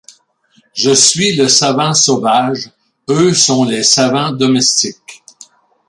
Je suis le savant sauvage, eux sont les savants domestiques.